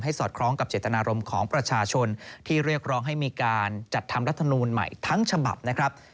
สอดคล้องกับเจตนารมณ์ของประชาชนที่เรียกร้องให้มีการจัดทำรัฐมนูลใหม่ทั้งฉบับนะครับ